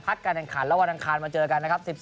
การแข่งขันแล้ววันอังคารมาเจอกันนะครับ